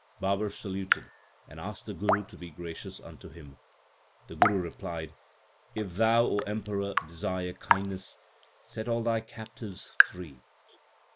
Babar saluted, and asked the Guru to be gracious unto him. The Guru replied, If thou, O Emperor, desire kindness, set all thy captives free.